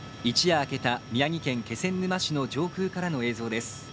一夜明けた宮城県気仙沼市の上空からの映像です。